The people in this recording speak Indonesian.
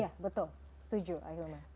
iya betul setuju akhirnya